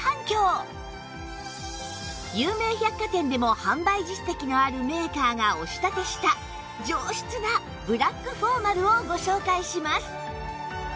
有名百貨店でも販売実績のあるメーカーがお仕立てした上質なブラックフォーマルをご紹介します